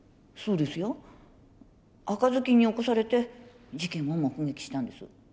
そうですよ赤ずきんに起こされて事件を目撃したんです。